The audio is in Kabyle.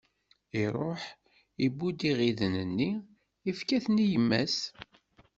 Iṛuḥ, iwwi-d iɣiden-nni, ifka-ten i yemma-s.